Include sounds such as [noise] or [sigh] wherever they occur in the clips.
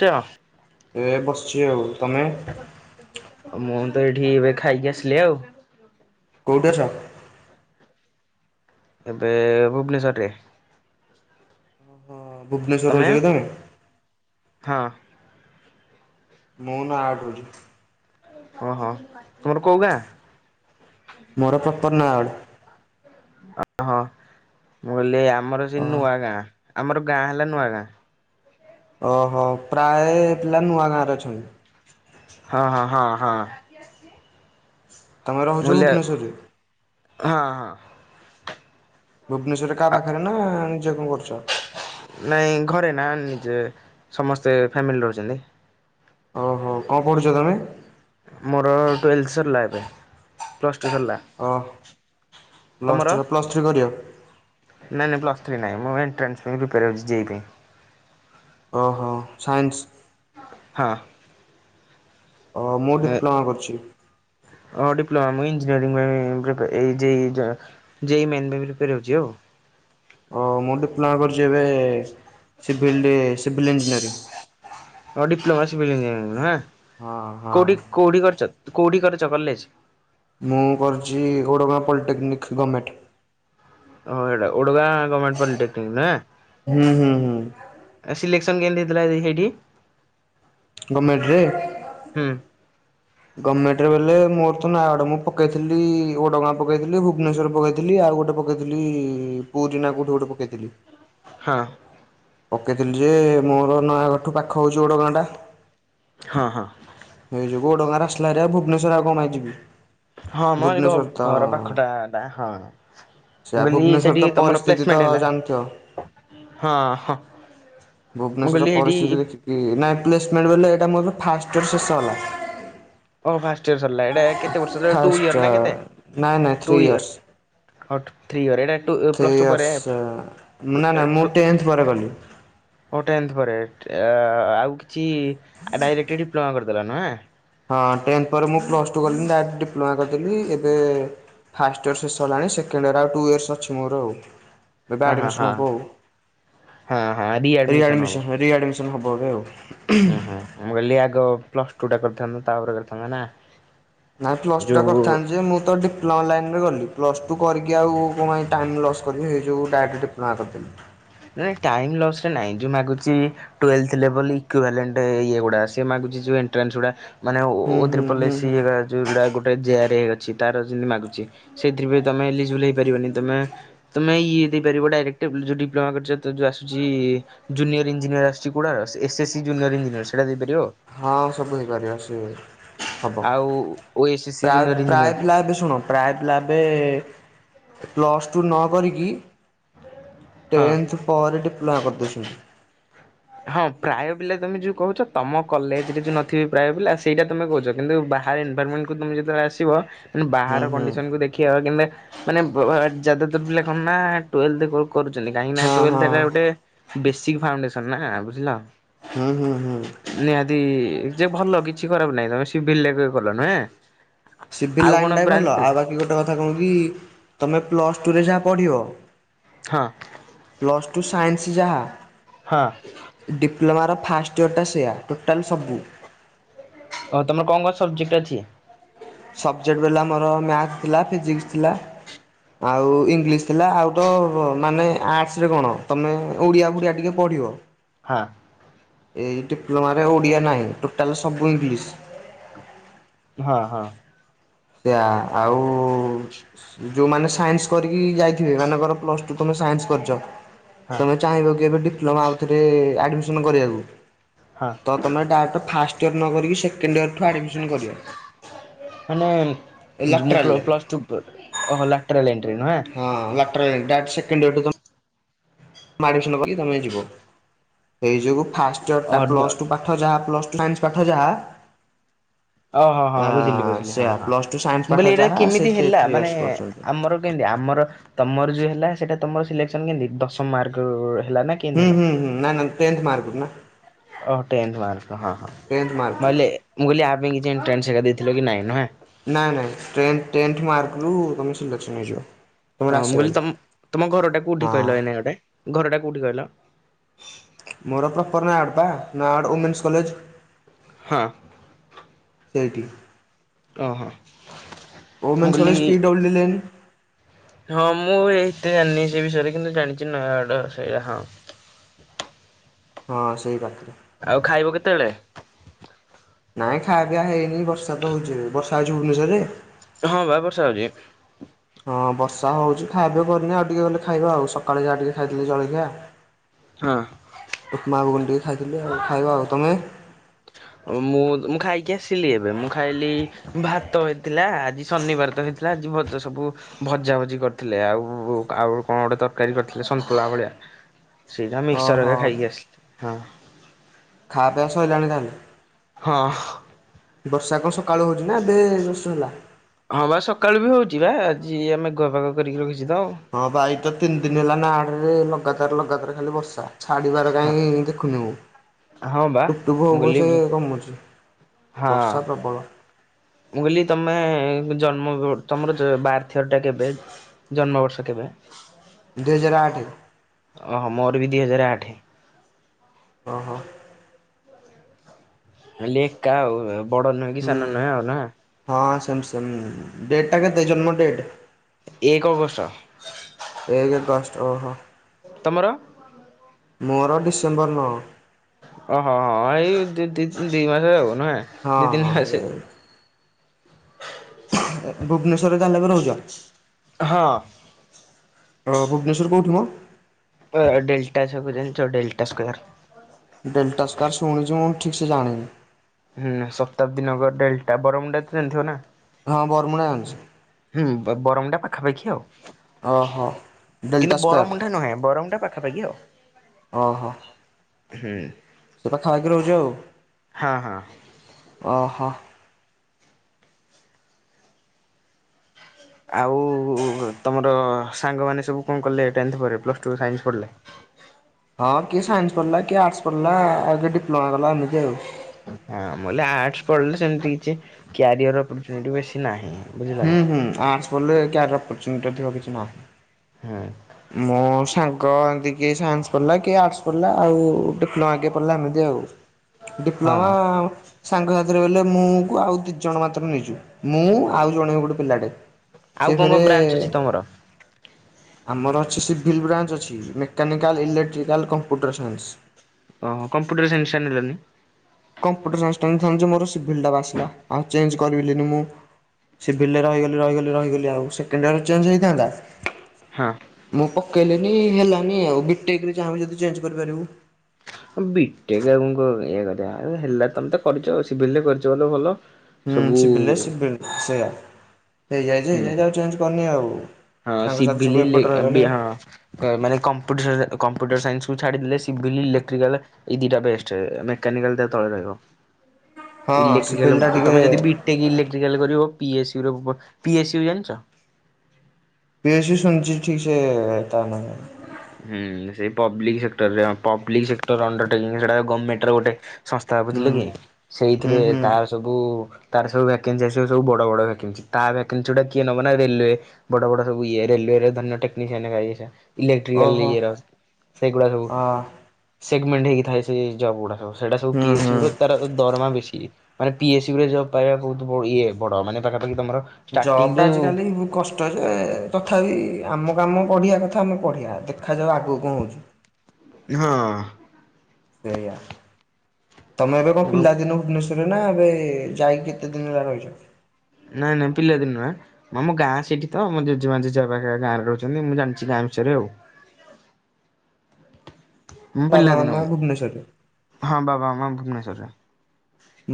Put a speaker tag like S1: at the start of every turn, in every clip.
S1: ଚ
S2: ଏ ବସିଛି ଆଉ ତମେ?
S1: ମୁଁ ତ ଏଠି ଏବେ ଖାଇକି ଆସିଲି ଆଉ।
S2: କୋଉଠି ଅଛ?
S1: ଏବେ ଭୁବନେଶ୍ଵରରେ।
S2: ହଁ ଭୁବନେଶ୍ୱର ରହୁଛ କି ତମେ?
S1: ହଁ।
S2: ମୁଁ ନୟାଡ଼ ରହୁଛି।
S1: ଓହୋ ତୁମର କୋଉ ଗାଁ?
S2: ମୋର ପ୍ପ୍ରପର ନୟାଗଡ଼।
S1: ଓ ହଁ ମୁଁ କହିଲି ଆମର ସେ
S2: ଓ
S1: ନୂଆଗାଁ ଆମର ଗାଁ ହେଲା ନୂଆଗାଁ।
S2: ଓହୋ ପ୍ରାୟ ପିଲା ନୂଆ ଗାଁରେ ଅଛନ୍ତି।
S1: ହଁ ହ ହଁ ହଁ।
S2: ତମେ ରହୁଛ
S1: ମୁୂଲ୍ୟ
S2: ଭୁବନେଶ୍ୱରରେ
S1: ହଁ ହଁ
S2: ଭୁବନେଶ୍ୱରରେ କାହା
S1: ଆଁ
S2: ପାଖରେ ନା ନିଜେ କଣ କରୁଛ?
S1: ନାଇଁ ଘରେ ନା ଆନି ଯେ ସମସ୍ତେ ଫ୍ୟାମିଲି ରହୁଛନ୍ତି।
S2: ଓହୋ କଣ ପଢୁଛ ତମେ?
S1: ମୋର ଟୁଏଲ୍ଥ ସରିଲା ଏବେ ପ୍ଲସ୍ ଟୁ ସରିଲା।
S2: ଓ ପ୍ଲସ୍ ଟୁ
S1: ତମର
S2: ପ୍ଲସ୍ ଥ୍ରୀ କରିବ?
S1: ନାଇଁ ନାଇଁ ପ୍ଲସ୍ ଥ୍ରୀ ନାଇଁ। ମୁଁ ଏଣ୍ଟ୍ରାନ୍ସ ପାଇଁ ପ୍ରିପେୟାର୍ ହେଉଛି ଯେଇ ପାଇଁ।
S2: ଓହୋ ସାଇନ୍ସି
S1: ହଁ।
S2: ଓ ମୁଁ
S1: ଏ
S2: ଡିପ୍ଲୋମା କରୁଛି।
S1: ଡିପ୍ଲୋମା ମୁଁ ଇ ରିଗାଡିଂ ପାଇଁ ପ୍ରିପ୍ରା ଏଇ ଯେଇ ମେନ୍ ପାଇଁ ପ୍ରିପ୍ରାର ହଉଛି ଆଉ।
S2: ଓ ମୁଁ ଡିପ୍ଲୋମା କରିଛି ଏବେ ସିଭିଲ୍ ଡି ସିଭିଲ୍ ଇଞ୍ଜିନିୟରିଂ।
S1: ଓଁ ଡିପ୍ଲୋମା ସିଭିଲ ଞଜିନିୟରଂ ନୁହେଁ
S2: ହଁ ହଁ
S1: କଉଠି କଉଠି କରିଛ? କୋଉଠି କରିଛ କଲେଜ?
S2: ମୁଁ କରୁଛି ଓଡ଼ଗାଁ ପଲିଟେକ୍ନିକ୍ ଗମେଣ୍ଟ।
S1: ଓହୋଃ ଓଡ଼ଗାଁ ଗମେଣ୍ଟ ପଲିଟେକିନିକ୍ ନା
S2: ହୁଁ ହୁଁ ହୁଁ
S1: ସିଲେ ସନ୍ କେମିତି ହେଇଥିଲା ହେଇଠି?
S2: ଗମେଣ୍ଟ ରେ?
S1: ହୁଁ
S2: ଗମେଣ୍ଟରେ ବଲେ ମୋର ତ ନୟାଗଡ ମୁଁ ପକେଇଥିଲି ଓଡଗାଁ ପକେଇଥିଲି ଭୁବନେଶ୍ଵର ପକେଇଥିଲି ଆଉ ଆଉ ଗୋଟେ ପକେଇଥିଲି ପୁରୀ ନା କୋଉଠି ଗୋଟେ ପକେଇଥିଲି।
S1: ହଁ।
S2: ପକେଇଥିଲି ଯେ ମୋର ନୟାଗଡ ଠୁ ପାଖ ହଉଛି ଓଡ଼ଗାଁ ଟା।
S1: ହଁ ହଁ।
S2: ଏଇ ଯୋଗୁ ଓଡ଼ଗାଁ ଆସିଲା ହେରି ଆଉ ଭୁବନେଶ୍ୱର ଆଉ କଣ ପାଇଁ ଯିବି।
S1: ହଁମ ଏ ଘ
S2: ଭୁବନେଶ୍ୱର ତ
S1: ଘର ପାଖଟା ଏଟା ହଁ।
S2: ସେଆ
S1: ମୁଁ କହିଲି
S2: ଭୁବନେଶ୍ୱର
S1: ସେଠି
S2: ତ
S1: ତମର
S2: ପରିସ୍ଥିତି ତ
S1: ପ୍ଲେସମେଣ୍ଟ ହେଲା ହଁ। ମୁଁ
S2: ଭୁବନେଶ୍ଵର
S1: କହିଲି ହେଇଠି
S2: ପରିସ୍ଥିତି ଦେଖି ନାଇଁ ପ୍ଲେସମେଣ୍ଟ ବଲେ ଏଇଟା ମୋ ଫାଷ୍ଟୟର୍ ସେସ୍ ହେଲା।
S1: ଓ ଫାଷ୍ଟ ଇୟର ସରିଲା ଏଟା କେତେ ବର୍ଷ ଟୁ
S2: ଫାଷ୍ଟ
S1: ଇୟର ନା କେତେ
S2: ନାଇଁ ନାଇଁ ଥ୍ରୀ
S1: ଟୁ
S2: ଇୟର୍ସ।
S1: ଇୟର। ଆଉ ଥ୍ରୀ ଇୟର।
S2: ଥ୍ରୀ
S1: ପ୍ଲଟୁ ପରେ
S2: ଇୟର୍ସ ନା ନା ମୁଁ ଟେନ୍ଥ ପରେ ଗଲି।
S1: ଟେନ୍ଥ ପରେ ଟେ ଆଉ କିଛି ଡାଇରେକ୍ଟ ଡିପ୍ଲୋମା କରିଦେଲ ନୁହେଁ।
S2: ହଁ ଟେନ୍ଥ ପରେ ମୁଁ ପ୍ଲସ୍ ଟୁ କଲିିନି ଡାଇରେକ୍ଟ ଡିପ୍ଲୋମା କରିଦେଲି ଏବେ ଫାଷ୍ଟ ଇୟର୍ ଶେଷ ହେଲାଣି ସେକେଣ୍ଡ ଇୟର୍ ଆଉ ଟୁ ଇୟର୍ସ ଅଛି ମୋର ଆଉ। ଏବେ
S1: ଅ ହଁ ହଁ
S2: ଆଡ଼ମିସନ ହବ ଆଉ
S1: ହଁ ହଁ
S2: ରି
S1: ରିଆଡମିସନ
S2: ଆଡିମିଶନ ରି ଆଡିମିଶନ ହବ ଏବେ ଆଉ।
S1: ଉୁଁ ହୁଁ ମୁଁ କହିଲି ଆଗ ପ୍ଲସ ଟୁ ଟା କରିଥାନ୍ତା ତାପରେ କରିଥାନ୍ତା ନା।
S2: ନାଇଁ ପ୍ଲସ ଟୁ ଟା
S1: ଯୋଉ
S2: କରିଥାନ୍ତି ଯେ ମୁଁ ତ ଡିପ୍ଲମା ଲାଇନ ରେ ଗଲି ପ୍ଲସ୍ ଟୁ କରିକି ଆଉ କଣ ପାଇଁ ଟାଇମ୍ ଲସ୍ କରିକି ସେ ଯେଉ ଡାଇରେଟ ଡିପ୍ଲମା କରିଥିଲି।
S1: ନାଇଁ ଟାଇମ ଲସ ରେ ନାଇଁ ଯଉ ମାଗୁଛି ଟୁଏଲଥ ଲେବୁଲ ଇକୁଭେଲେଣ୍ଟ ଇଏ ଗୁଡା ସିଏ ମାଗୁ ଯଉ ଏଣ୍ଟ୍ରାନ୍ସ ଗୁଡା ମାନେ
S2: ହୁଁ
S1: ଓ
S2: ହୁଁ ହୁଁ
S1: ତ୍ରିପୁଲଏସି
S2: ହୁଁ
S1: ଯଉ ଯେ ଆରାଇ ଅଛି ତାରତି ମାଗୁଛି ସେଥିରେ ତମେ ଇଲିିଜିବୁଲ ହେଇପାରିବନି ତମେ ତମେ ଇ ଏ ଦେଇପାରିବ ଡାଇରେକ୍ଟ ଯଦି ପ୍ଲୋମା କରିଚତ ଜଉ ଆସୁଛି ଜୁନିଅର ଇଞ୍ଜିନିଅର ଆସୁଛି କୋଡାର S S C junior engineer ସେଟା ଦେଇପା
S2: ହଁ ସବୁ ହେଇପାରିବା ସେ ହବ
S1: ଆଉ ଓ ଏସ୍ ଏସ୍ ସି
S2: ପ୍ରାୟ
S1: ଜୁନିୟର ଇଞ୍ଜିନିୟର
S2: ପ୍ରାୟ ପିଲା ଏବେ ଶୁଣ ପ୍ରାୟ ପିଲା ଏବେ ଏ ପ୍ଲସଟୁ ନ କରିକି
S1: ହଁ
S2: ଟେନ୍ଥ ପରେ ଡିପ୍ଲୋମା କରିଦଉଛନ୍ତି।
S1: ହଁ ପ୍ରାୟ ପିଲା ତମେ ଯୋଉ କହୁଛ ତମ କଲେଜ ରେ ଯୋଉ ନଥିବେ ପ୍ରାୟ ପିଲା ସେଇଟା ତମେ କହୁଛ କିନ୍ତୁ ବା ହାରେ ଇନପାରମେଣ୍ଟ କୁ ତମେ ଯେତେବେଳେ ଆସିବ ନେ ବାହାର
S2: ହୁଁ ହୁଁ।
S1: କଣ୍ଡିସନକୁ ଦେଖିବାକୁ କିନ୍ତତା ମାନେ ଯାଦାଦୂର ପିଲା କଣ ନା ଟୁଏଲ୍ଭ କରୁ କରୁଛନ୍ତି କାହିଁକି ନା
S2: ହଁ
S1: ଟୁଏଥ
S2: ହଁ।
S1: ହେଲା ଗୋଟେ ବେଶିକ ଫାଉଣ୍ଡେସ ନା ବୁଝିଲ।
S2: ହୁଁ ହୁଁ ହୁଁ।
S1: ନିହାତି ଯେ ଭଲ କିଛି ଖରାପ ନାଇଁ ତମେ ସିବିଲ ରେ ବି ଭଲ ନୁହେଁ।
S2: ସିଭିଲ୍
S1: ଆଉ କଣ
S2: ଲାଇନ୍ ଟା ବି
S1: ବ୍ରାଞ୍ଚ
S2: ଭଲ
S1: ଥିଲା
S2: ଆଉ ବାକି ଗୋଟେ କଥା କଣ କି ତମେ ପ୍ଲସଟୁରେ ଯାହା ପଢ଼ିବ।
S1: ହଁ।
S2: ପ୍ଲସ୍ ଟୁ ସାଇନ୍ସ ଯାହା
S1: ହଁ
S2: ଡିପ୍ଲୋମାର ଫାଷ୍ଟ ଇୟର ଟା ସେଆ।
S1: ଓ ତମର କଣ କଣ ସବଜେକ୍ଟ ଅଛି?
S2: ସବଜେକ୍ଟ ରହିଲା ମୋର ମ୍ୟାଥ ଥିଲା, ଫିଜିକ୍ସ ଥିଲା। ଆଉ ଇଂଲିଶ ଥିଲା ଆଉ ତ ମାନେ ଆର୍ଟସ ରେ କଣ ତମେ ଓଡିଆ ଭୁଡିଆ ଟିକେ ପ ପଡ଼ିବ।
S1: ହଁ।
S2: ଏଇ ଡିପ୍ଲୋମାରେ ଓଡିଆ ନାହିଁ ଟୋଟାଲ ସବୁ ଇଂଲିଶ।
S1: ହଁ ହଁ।
S2: ସେଆ ଆଉ ଯୋଉମାନେ ସାଇନ୍ସ କରିକି ଯାଇଥିବେ ମାନେକର ପ୍ଲସଟୁ ତମେ ସାଇନ୍ସ କରିଛ
S1: ହଁ
S2: ତମେ ଚାହିଁବ କି ଏବେ ଡିପ୍ଲୋମାଆଉ ଥରେ ଆଡ୍ମିଶନ କରିବାକୁ?
S1: ହଁ
S2: ତ ତମେ ଡାରେକ୍ଟ ଫାଷ୍ଟ ଇୟର ନକରିକି ସେକେଣ୍ଡ ଇୟର ଠୁ ଆଡ଼ମିସନ କରଦିଅ।
S1: ମାନେଁ ଜ ମୁ ପ୍ଲ ପ୍ଲସ ଟୁ ପ ଓହୋ ଲାଟେରାଲିଏଣ୍ଟ୍ରି।
S2: ହଁ ଲାଟ୍ରେଲ ଦ୍ୟାଟ ସେକଣ୍ଡୟୀରଠୁ ତ ଆଡମିସନ ନବ କି ତମେ ଯିବ ସେଇ ଯୋଗୁଁ ଫାଷ୍ଟ ଇୟର ଟା ପ୍ଲସ ଟୁ ପାଠ ଯାହା ପ୍ଲସ୍ ଫାଞ୍ଚ ପାଠ ଯାହା
S1: ଓ ହୋ ହଁଁ ବୁଝିଲି ବୁଝିଲି ହଁ
S2: ସେୟା
S1: ହଁ।
S2: ପ୍ଲସ୍ ଟୁ ସାଇନ୍ସ
S1: ମୁଁ
S2: ପାଠ
S1: କହିଲି ଏଇଟା
S2: ଯାହା ସେ
S1: କେମିତି ହେଲା
S2: ଥ୍ରୀ
S1: ମାନେ
S2: ଇୟର୍ସ କରୁଛନ୍ତି
S1: ଆମର କେମିତି ଆମର ତମର ଯୋଉ ହେଲା ସେଇଟା ତମର ସିଲେକ୍ସନ କେମିତି ଦଶମ ମାର୍କରୁ ହେଲା ନା କେନ୍ଦ୍
S2: ହୁଁ
S1: ହେଲା
S2: ହୁଁ ହୁଁ ନାଇଁ ନାଇଁ ଟେନ୍ଥ ମାର୍କରୁ ନା
S1: ଓହୋ ଟେନ୍ଥ ମାର୍କ ହଁ ହଁ
S2: ଟେନ୍ଥ ମାର୍କରୁ
S1: ଭହେଲେ ମୁଁ କହିଲି ଆ ପାଇଁ କିଛି ଏଣ୍ଟ୍ରାନ୍ସ ହେ ଏକା ଦେଇଥିଲ କି ନାଇଁ ନୁହେଁ।
S2: ନାଁ ନାଇଁ ଟେନ ଟେନ୍ଥ ମାର୍କରୁୁ ତମେ ସିଲେକ୍ସନ୍ ହେଇଯିବ।
S1: ହଁ
S2: ତୁମର
S1: ମୁଁ
S2: ଆସିବ
S1: କହିଲି
S2: ଭାରି
S1: ତମ ତମ ଘରଟା କୋଉଠି
S2: ହଁ
S1: କହିଲ ଏନେ ଗୋଟେ ଘରଟା କୋଉଠି କହିଲ?
S2: ମୋର ପ୍ରଫର ନାୟଡ଼ ପା ନାୟଡ଼ ଉମେନ୍ସ କଲେଜ।
S1: ହଁ।
S2: ସେଇଠି
S1: ଓହୋ ମୁଁ
S2: ଓମେନ୍ସ
S1: କହିଲି
S2: କଲେଜ ପିଡବ୍ଲୁଲେନ୍।
S1: ହଁ ମୁଁ ଏତେ ଜାଣିନି ସେ ବିଷୟରେ କିନ୍ତୁ ଜାଣିଛି ନୟାଗଡ ସେଇଟା ହଁ। [inaudible]
S2: ହଁ ସେଇଟା।
S1: ଆଉ ଖାଇବ କେତେବେଳେ?
S2: କାଇଁ ଖାଇବା ପିଇବା ତ ହେଇନି ବର୍ଷା ତ ହଉଛି ବର୍ଷା ହଉଛି ଭୁବନେଶ୍ୱରରେ?
S1: ହଁ ବା ବର୍ଷା ହଉଛି।
S2: ହଁ ବର୍ଷା ହଉଛି ଖାଇବା କରିନି ଆଉ ଟିକେ ଗଲେ ଖାଇବା ଆଉ ସକାଳେ ଯାହା ଟିକେ ଖାଇଥିଲି ଜଳଖିଆ।
S1: ହଁ
S2: ଉପମା ଗୁଗୁନି ଟିକେ ଖାଇଥିଲି ଆଉ ଖାଇବି ଆଉ ତମେ?
S1: ମୁଁ ମୁଁ ଖାଇକି ଆସିଲି ଏବେ ମୁଁ ଖାଇଲି ଭାତ ହେଇଥିଲା ଆଜି ଶନିବାର ତ ହେଇ ଥିଲା ଆଜିି ବ ତ ସବୁ ଭଜା ଭଜି କରିଥିଲେ ଆଉ ଆଉ କଣ ଗୋଟେ ତରକାରୀ କରିଥିଲେ ସନ୍ତୁଳା ଭଳିଆ। ସେଇଟା
S2: ଓହୋ
S1: ମିକ୍ସଚର ଖାଇକି ଆସିଲି ହଁ।
S2: ଖା ପିଇବା ଶଇଲାଣି ତାହେଲେ?
S1: ହଁ।
S2: ବର୍ଷା କଣ ସକାଳୁ ହଉଚ ନା ଏବେ ଜଷ୍ଟ ହେଲା?
S1: ହଁ ବା ସକାଳୁ ବି ହଉଛି ବା ଆଜି ଆମେ ମେଘୁଆ ପାଗ କରିକି ରଖିଛି। ତ ଆଉ।
S2: ହଁ ଭାଇ ତ ତିନି ଦିନ ହେଲା ନା ଆଡରେ ଲଗାତାର ଲଗାତାର ଖାଲି ବର୍ଷା। ଛାଡ଼ିବାର କାହିଁ ଦେଖୁନି ମୁଁ
S1: ହଁ ବା
S2: ଟୁପ୍ ଟୁପ
S1: ମୁଁ
S2: ହେଉ
S1: କହିଲି
S2: ପଛେ କମୁଛି।
S1: ହଁ।
S2: ବର୍ଷା ପ୍ରବଳ।
S1: ମୁଁ କହିଲି ତମେ ଜନ୍ମ ତମର ବାରଥ ଇଅର ଟା କେବେ? ଜନ୍ମବର୍ଷ କେବେ?
S2: ଦୁଇ ହଜାର ଆଠ।
S1: ଅ ମୋର ବି ଦୁଇ ହଜାର ଆଠ।
S2: ଓ ହୋ।
S1: ତାହେଲେ ଏକା ଆଉ ବଡ ନୁହେଁ କି ସାନ ନୁହେଁ ଆଉ ନା?
S2: ସାମସଙ୍ଗ ଡେଟ୍ ଟା କେତେ ଜନ୍ମ ଡେଟ୍?
S1: ଏକ ଅଗଷ୍ଟ।
S2: ଏକ ଅଗଷ୍ଟ ଓହୋ।
S1: ତମର?
S2: ମୋର ଡିସେମ୍ବର ନଅ।
S1: ଓହୋ ହଁ ଏଇ ଦ ଦ ଦିଇ ମାସରେ ହବ ନହେ
S2: ହଁ
S1: ଦିଇ ତିନି
S2: ହଁ
S1: ମାସେ।
S2: ଭୁବନେଶ୍ୱରରେ ତାହେଲେ ବି ରହୁଛ
S1: ହଁ
S2: ହଁ ଭୁବନେଶ୍ୱର କେଉଁଠି ମ?
S1: ଅ ଡେଲଟା ସବୁ ଜାଣିଛ ଡଲଟା ସ୍କୋୟାର?
S2: ଡେଲ୍ଟା ସ୍କୋୟାର୍ ଶୁଣିଛି ମୁଁ ଠିକ ସେ ଜାଣିନି।
S1: ହୁଁ ଶତାବ୍ଦୀ ନଗର ଡେଲଟା ବରମୁଣ୍ଡା ତ ଜଣିିଥିବ ନା?
S2: ହଁ ବରମୁଣ୍ଡା ଜାଣିଛି।
S1: ବ-ବରମୁଣ୍ଡା ଟା ପାଖାପାଖି ଆଉ
S2: ଓହୋ। ଡେଲ୍ଟା
S1: କିନ୍ତୁ
S2: ସ୍କୋୟାର
S1: ବରମୁଣ୍ଡା ନୁହେଁ ବରମୁଣ୍ଡା ପା ଖା ପାଖି ଆଉ।
S2: ଓହୋ।
S1: ହୁଁ।
S2: ସେଟା ଖାଇକି ରହୁଛ ଆଉ।
S1: ହଁ ହଁ।
S2: ଓହୋ।
S1: ଆଉ ତମର ସାଙ୍ଗମାନେ ସବୁ କଣ କଲେ ଟେନ୍ଥ ପରେ ପ୍ଲସ ଟୁ ସାଇନ୍ସ ପଢିଲେ? [inaudible]
S2: ହଁ କିଏ ସାଇନ୍ସ ପଢିଲା କିଏ ଆର୍ଟସ ପଢିଲା ଆଉ କିଏ ଡିପ୍ଲୋମା କଲା ଏମିତି ଆଉ।
S1: ହଁ ମୁଁ କହିଲି ଆର୍ଟସ ପଢିଲେ ସେମିତି କିଛି କ୍ୟାରିୟର ଅପରଚୁନିଟି ବେଶୀ ନାହିଁ। ବୁଝିଲ କି?
S2: ହୁଁ ହୁଁ ଆର୍ଟସ ପଢ଼ିଲେ କ୍ୟାରିୟର ଅପରଚୁନିଟି ଅଧିକ କିଛି ନାହି
S1: ହଁ
S2: ମୋ ସାଙ୍ଗ ଏମତି କିଏ ସାଇନ୍ସ ପଢିଲା କିଏ ଆର୍ଟସ ପଢିଲା ଆଉ ଡିପ୍ଲୋମା କିଏ ପଢିଲା ଏମିତି ଆଉ। ଡିପ୍ଲୋମା
S1: ହଁ।
S2: ସାଙ୍ଗ ସାଥିରେ କହିଲେ ମୁଁ ମୁଁ ଆଉ ଦି ଜଣ ମାତ୍ର ନେଇଛୁ। ମୁଁ ଆଉ ଜଣେ ଗୋଟେ ପିଲାଟେ
S1: ଆଉ
S2: ସିଏ
S1: କଣ କଣ
S2: ଫେରେ
S1: ବ୍ରାଞ୍ଚ ଅଛି ତମର?
S2: ଆମର ଅଛି ସିଭିଲ୍ ବ୍ରାଞ୍ଚ ଅଛି ମେକାନିକାଲ୍ ଇଲେକ୍ଟ୍ରିକାଲ୍ କମ୍ପ୍ୟୁଟର ସାଇନ୍ସ।
S1: ଓହୋ କମ୍ପ୍ୟୁଟର ସାଇନ୍ସ ଟା ନେଲନି?
S2: କମ୍ପୁଟର ସାଇନ୍ସ ଟା ନେଇଥାନ୍ତି ଯେ ମୋର ସିଭିଲ ଟା ବା ଆସିଲା ଆଉ ଚେଞ୍ଜ କରିପାଇଲିନି ମୁଁ। ସିଭିଲ ରେ ରହିଗଲି ରହିଗଲି ରହିଗଲି ଆଉ ସେକେଣ୍ଡ ଇୟର ଚେଞ୍ଜ ହେଇଥାନ୍ତା
S1: ହଁ।
S2: ମୁଁ ପ ପକେଇଲେନି ହେଲାନି ଆଉ ବି ଟେକ୍ ରେ ଚାହିଁବୁ ଯଦି ଚେଞ୍ଜ କରିପାରିବୁ।
S1: ହ ବି ଟେକ ଆଉଙ୍କ ଇଏ କରିବା ହେଲା ତମେ ତ କରିଛ ସିଭିଲରେ କରିଛ ବଲେ ଭଲ।
S2: ହୁଁ
S1: ସବୁ
S2: ସିଭିଲରେ ସିଭିଲ ସେଇଆ ହେଇଯାଇଛି
S1: ହୁଁ
S2: ହେଇଯାଇଛି ଆଉ ଚେଞ୍ଜ କରିନି ଆଉ।
S1: ହଁ
S2: ସାଙ୍ଗସାଥି ସବୁ
S1: ସିଭିଲି ଲେ
S2: ଏପଟେ
S1: ବି
S2: ରହିଗଲେ
S1: ହଁ କ ମାନେ କମ୍ପୁଟର ସାସ କମ୍ପୁଟର ସାଇନ୍ସ। ଛାଡିଦେଲେ ସିଭିଲି ଇଲେକ୍ଟ୍ରିକାଲ ଏଇ ଦିଟା ବେଷ୍ଟ ମେକାନିକାଲ ତା ତଳେ ରହିବ।
S2: ହଁ
S1: ଇଲେକ୍ଟ୍ରିକାଲ
S2: ସିଭିଲଟା ଟିକେ
S1: ତମେ ଯଦି ବି ଟେକ ଇଲେକ୍ଟ୍ରିକାଲ ର କରିବ ପି ଏସସି ର ବ ପି ଏସ ୟୁ ଜାଣିଛ?
S2: ପି ଏସ ଶୁଣିଛି ଠିକ ସେଏ ତା ନା। ହୁଁ
S1: ହୁଁ ସେଇ ପବ୍ଲିକ ସେକ୍ଟରରେ ପବ୍ଲିକ ସେକ୍ଟର ଅଣ୍ଡରଟେକିଙ୍ଗ ସେଟା ଗମେଣ୍ଟ ର ଗୋଟେ। ସଂସ୍ଥା ବୁଝିଲେ କି
S2: ହୁଁ
S1: ସେଇଥିରେ
S2: ହୁଁ
S1: ତାର ସବୁ ତାର ସବୁ ଭ୍ୟାକେନ୍ସି ଆସିବ ସବୁ ବଡ ବଡ ଭ୍ୟାକେନ୍ସି ତାର ଏକିଲ ଚୁଡ଼ା କିଏ ନବ ନା ରେଲୱେ ବଡ଼ ବଡ଼ ସବୁ ଇଏରେ ରେଲେୱେ ଧରିନିଅ ଟେକ୍ନିଶିଆନରେ ଭାରି ନିଶା। ଇଲେକ୍ଟ୍ରିକାଲ
S2: ଓହୋ
S1: ଇଏର ସେଗୁଡ଼ା ସବୁ
S2: ଆ
S1: ସେଗମେଣ୍ଟ ହେଇକି ଥାଏ ସେ ଜବ୍ ଗୁଡ଼ା ସବୁ ସେଇଟା ସବୁ
S2: ହୁଁ
S1: ପି ଏସ ୟୁ
S2: ହୁଁ।
S1: ର ତାର ଦରମା ବେଶୀ ମାନେ ପି ଏସ ୟୁ ରେ ଜବ ପାଇବା ବହୁତ ବ ଇଏ ବଡ ମାନେ ପାଖାପାଖି ତମର
S2: ଜବ ଟା ଆଜିକାଲି କଷ୍ଟ ଯେ ତଥାପି ଆମ କାମ ପଢିଆ କଥା ଆମେ ପଢିଆ ଦେଖାଯାଉ ଆଗକୁ କଣ ହଉଛି।
S1: ହଁ।
S2: ସେଇୟା। ତମେ ଏବେ କଣ
S1: ହଁ
S2: ପିଲାଦିନୁ ଭୁବନେଶ୍ଵରରେ ନା ଏବେ ଯାଇକି କେତେ ଦିନ ହେଲା ରହିଛ।
S1: ନାଇଁ ନାଇଁ ପିଲା ଦିନୁ ଆଁ ଆମ ଗାଁ ସେଠି ତ ମୋ ଜେଜେମା ଜେଜେ ବା ପାଖରେ ଗାଁରେ ରହୁଛନ୍ତି ମୁଁ ଜାଣିଛି ଗାଁ। ଚେରେ ଆଉ। ମୁଁ
S2: ବାବା
S1: ପିଲା ଦିନୁ
S2: ମାମା
S1: ମୁଁ
S2: ଭୁବନେଶ୍ୱରରେ
S1: ହଁ ବାବା ମାମା ଭୁବନେଶ୍ଵରରେ।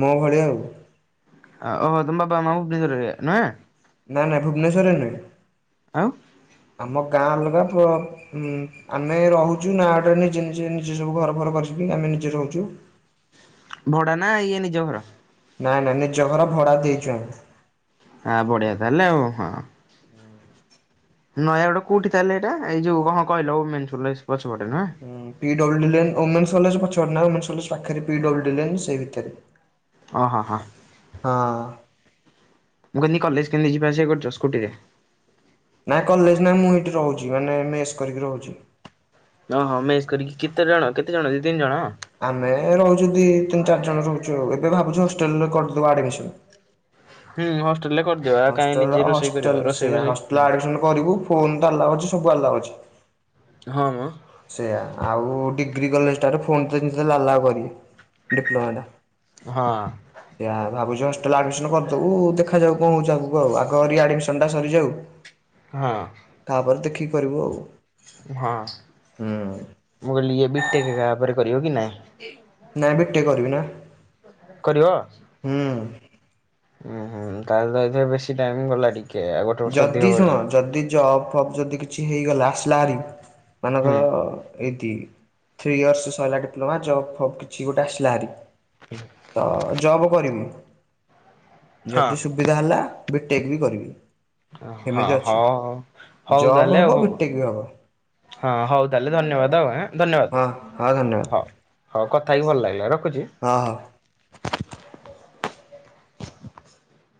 S2: ମୋ ଭଳିଆ ଆଉ।
S1: ଓହୋ ତମ ବାବା ମାମା ଭୁବନେଶ୍ୱରରେ ନୁହେଁ।
S2: ନାଇ ନାଇ ଭୁବନେଶ୍ଵରରେ ନୁହେଁ
S1: ଆଉ
S2: ଆମ ଗାଁ ଅଲଗା ଅଉଁ ଆମେ ରହୁଛୁ ନା ଆଡରେ ନିଜେ ନିଜେ ନିଜେ ସବୁ ଘର ଭର କରିଚୁ ଆମେ ନିଜେ ରହୁଚୁ।
S1: ଭଡା ନା ଇଏ ନିଜ ଘର।
S2: ନାଇଁ ନାଇଁ ନିଜ ଘର ଭଡ଼ା ଦେଇଚୁ ଆମେ।
S1: ଆଁ ବଢିଆ ତାହେଲେ ଆଉ ହଁ। ନୟାଗଡ଼ କୋଉଠି ତାହେଲେ ଏଇଟା ଏଇ ଯୋଉ କଣ କହିଲ ମେନସୁଲେସ।
S2: ହୁଁ ପିଡବ୍ଲୁ ଡିଲେନ୍ ଓମେନ୍ସ କଲେଜ ପଛ ପଟ ନା ଓମେନ୍ସ କଲେଜ। ପାଖରେ ପିଡବ୍ଲୁ ଡିଲେନ୍ ସେହି ଭିତରେ।
S1: ଓ ହଁ ହଁ।
S2: ହଁ
S1: ମୁଁ କହିଲି କଲେଜ କେମିତି ଯିବା ଆସିବା କରୁଛ ସ୍କୁଟିରେ।
S2: ନାଇଁ କଲେଜ ନାଇଁ ମୁଁ ଏଇଠି ରହୁଛି ମାନେ ମେସ୍ କରିକି ରହୁଛି।
S1: ଓ ହଁ ମେସ୍ କରିକି କେତେ ଜଣ କେତେ ଜଣ ତିନି ଜଣ।
S2: ଆମେ ରହୁଛୁ ଦି ତିନି ଚାରି ଜଣ ରହୁଛୁ ଏବେ ଭାବୁଛୁ ହଷ୍ଟେଲରେ କରିଦବୁ ଆଡମିସନ।
S1: ହୁଁ ହ।
S2: ହଷ୍ଟଲ ହଷ୍ଟଲେ ସେୟା
S1: ବୋଷେଇ
S2: ହଷ୍ଟେଲ ଆଡ଼ମିସନ କରିବୁ ଫୋନତ ଅଲାଉ ଅଛି ସବୁ ଆଲଉ ଅଛି।
S1: ହଁ ମ
S2: ସେଇୟା ଆଉ ଟିକ ଡିଗ୍ରୀ କଲେଜଟାରେ ଫୋନ୍ [unintelligible] ଆଲାଉ କରିବେ ଡିପ୍ଲୋମାଟା।
S1: ହଁ
S2: ସେଆ ଭାବୁଛି ହଷ୍ଟେଲ ଆଡମିସନ କରିଦବୁ ଦେଖାଯାଉ। କଣ ହୋଉଛି ଆଗକୁ ଆଉ ଆଗ ରି ଆଡମିସନ ଟା ସରିଯାଉ
S1: ହଁ।
S2: ତାପରେ ଦେଖିକି କରିବୁ ଆଉ।
S1: ହଁ
S2: ହୁଁ
S1: ମୁଁ କହିଲି ବି ଟେକ ୟା ପରେ କରିବ କି ନାଇଁ?
S2: ନାଇ ବିଟେକ କରିବି ନା।
S1: କରିବ?
S2: ହୁଁ।
S1: ଉୁଁ ହୁଁ ତାହଲେ ତ ଏଥରେ ବେଶୀ ଟାଇମ ଗଲା ଟିକେ। ଆଉ ଗୋଟେ ବର୍ଷ ଅଧିକ
S2: ଯଦି ଶୁଣ
S1: ପଳେଇଗଲା।
S2: ଯଦି ଜପ୍ ଫପ୍ ଯଦି କିଛି ହେଇଗଲା ଆସିଲାରି
S1: ହୁଁ
S2: ମାନଙ୍କର ଏଇ ଦି ଥ୍ରୀ ଇୟର୍ସ ସରିଲା ଡିପ୍ଲୋମା ଜବ୍ ଫବ୍ କିଛି ଗୋଟେ ଆସିଲା ହରି। ତ ଜବ କରିବି।
S1: ହଁ
S2: ଯଦି ସୁବିଧା ହେଲା ବିଟେକ୍ ବି କରିବି।
S1: ହଁ
S2: ଏମିତି ଅଛି
S1: ହଉ ହଉ ତାହେଲେ
S2: ଜବ
S1: ଆଉ
S2: ହବ
S1: ହଉ।
S2: ବିଟେକ୍ ବି ହବ।
S1: ହଁ ହଉ ତାହେଲେ ଧନ୍ୟବାଦ ଆଉ ଆ ଧନ୍ୟବାଦ
S2: ହଁ ହଁ
S1: ହଉ
S2: ଧନ୍ୟବାଦ
S1: ହଉ କ ଥା ହେଇକି ଭଲ ଲାଗିଲା ର
S2: ହଁ ହଁ।